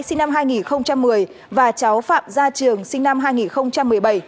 sinh năm hai nghìn một mươi và cháu phạm gia trường sinh năm hai nghìn một mươi bảy